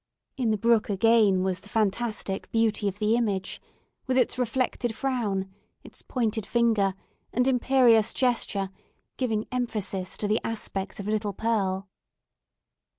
In the brook, again, was the fantastic beauty of the image, with its reflected frown, its pointed finger, and imperious gesture, giving emphasis to the aspect of little Pearl.